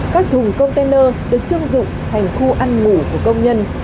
các thùng container được trương dựng thành khu ăn ngủ của công nhân